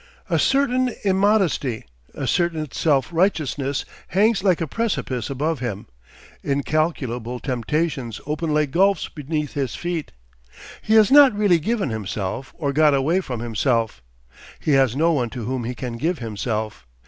A certain immodesty, a certain self righteousness, hangs like a precipice above him; incalculable temptations open like gulfs beneath his feet. He has not really given himself or got away from himself. He has no one to whom he can give himself.